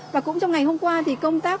và cũng trong ngày hôm qua thì công tác